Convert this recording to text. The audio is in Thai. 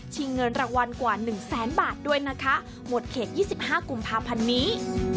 เงินรางวัลกว่า๑แสนบาทด้วยนะคะหมดเขต๒๕กุมภาพันธ์นี้